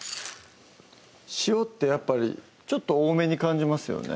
塩ってやっぱりちょっと多めに感じますよね